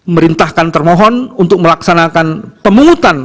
merintahkan termohon untuk melaksanakan pemungutan